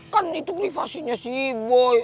kan itu privasinya sih boy